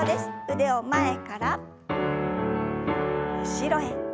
腕を前から後ろへ。